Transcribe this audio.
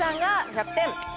１００点。